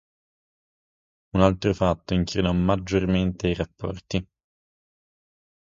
Un altro fatto incrinò maggiormente i rapporti.